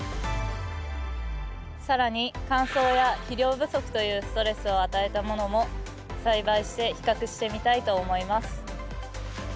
更に乾燥や肥料不足というストレスを与えたものも栽培して比較してみたいと思います。